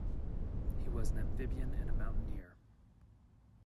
He was an amphibian and a mountaineer.